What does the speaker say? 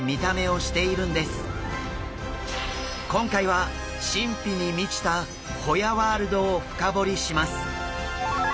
今回は神秘に満ちたホヤワールドを深掘りします。